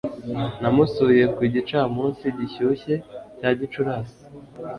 Namusuye ku gicamunsi gishyushye cya Gicurasi.